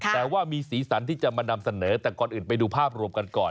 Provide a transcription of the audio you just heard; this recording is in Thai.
แต่ว่ามีสีสันที่จะมานำเสนอแต่ก่อนอื่นไปดูภาพรวมกันก่อน